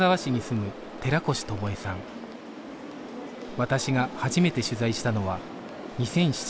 私が初めて取材したのは２００７年でした